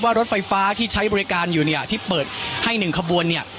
รถไฟฟ้าที่ใช้บริการอยู่เนี่ยที่เปิดให้๑ขบวนเนี่ย